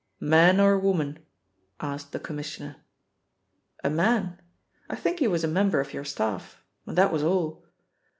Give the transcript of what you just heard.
"Man or woman?" asked the Commissioner. "A man. I think he was a member of your staff. And that was all.